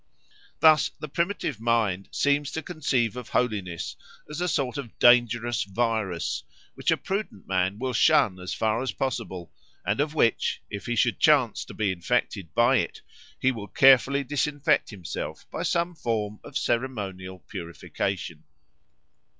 Thus the primitive mind seems to conceive of holiness as a sort of dangerous virus, which a prudent man will shun as far as possible, and of which, if he should chance to be infected by it, he will carefully disinfect himself by some form of ceremonial purification.